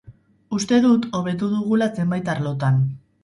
Uste dut hobetu dugula zenbait arlotan.